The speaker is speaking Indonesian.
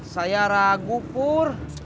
saya ragu pur